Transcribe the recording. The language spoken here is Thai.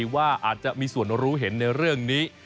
ว่าอาจจะมีส่วนรู้เห็นในเรื่องนี้